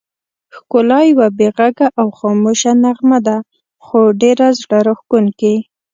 ښکلا یوه بې غږه او خاموشه نغمه ده، خو ډېره زړه راښکونکې.